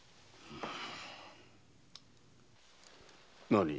何？